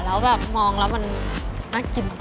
แล้วแบบมองแล้วมันน่ากิน